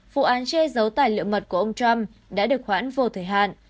vụ án che giấu tài liệu mật của ông trump đã được hoãn vô thời hạn